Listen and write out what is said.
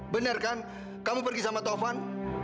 benar kan kamu pergi sama taufan